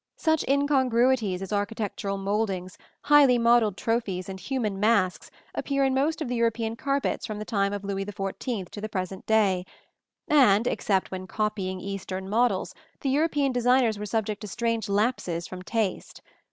Such incongruities as architectural mouldings, highly modelled trophies and human masks appear in most of the European carpets from the time of Louis XIV to the present day; and except when copying Eastern models the European designers were subject to strange lapses from taste.